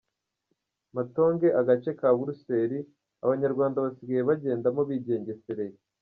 Matonge, agace ka Buruseli Abanyarwanda basigaye bagendamo bigengesereye